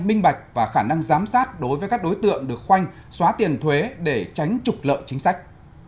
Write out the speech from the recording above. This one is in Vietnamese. minh bạch và khả năng giám sát đối với các đối tượng được khoanh xóa tiền thuế để tránh trục lợi chính sách